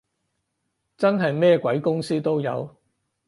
真係咩鬼公司都有